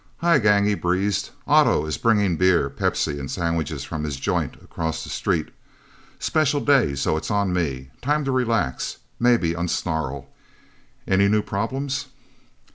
"Hi, gang," he breezed. "Otto is bringing beer, Pepsi and sandwiches from his joint across the street. Special day so it's on me. Time to relax maybe unsnarl. Any new problems?"